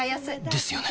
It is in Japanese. ですよね